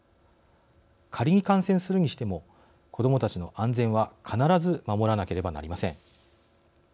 仮に観戦するにしても子どもたちの安全は必ず守らなければなりません。